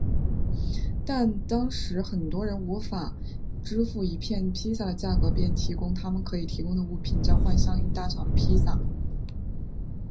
而当时很多人无法支付一片披萨的价格便提供他们可以提供的物品交换相应大小的披萨。